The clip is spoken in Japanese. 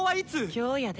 今日やで。